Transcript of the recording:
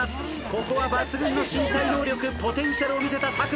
ここは抜群の身体能力ポテンシャルを見せた佐久間。